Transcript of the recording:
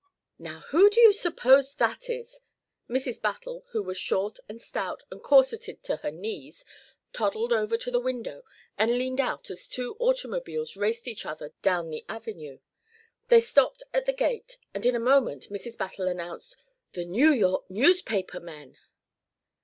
"Now, who do you suppose that is?" Mrs. Battle, who was short and stout and corseted to her knees, toddled over to the window and leaned out as two automobiles raced each other down the avenue. They stopped at the gate, and in a moment Mrs. Battle announced: "The New York newspaper men!"